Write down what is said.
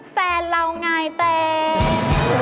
แฟนเราไงตัวเอง